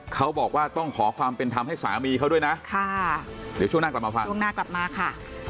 เขาบอกว่าต้องขอความเป็นธรรมให้สามีเขาด้วยนะค่ะเดี๋ยวช่วงหน้ากลับมาฟังช่วงหน้ากลับมาค่ะ